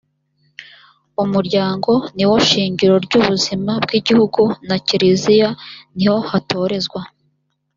umuryango niwo shingiro ry ubuzima bw igihugu na kiriziya niho hatorezwa